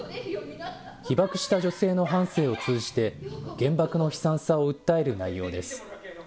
被爆した女性の半生を通じて、原爆の悲惨さを訴える内容です。